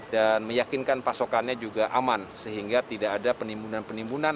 dan meyakinkan pasokannya juga aman sehingga tidak ada penimbunan penimbunan